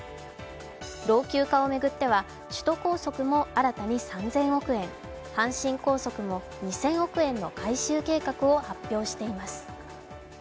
老朽化を巡っては首都高速も新たに３０００億円、阪神高速も２０００億円の改修計画を発表しています。